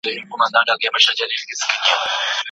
ده خپلې دواړه اوږې پورته واچولې.